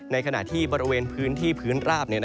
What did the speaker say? ในขณะที่บริเวณพื้นที่พื้นราบ